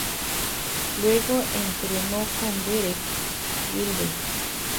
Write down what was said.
Luego entreno con Derek Wylde.